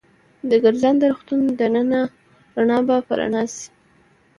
د ګرځنده روغتون دننه رڼا به په رڼا شي.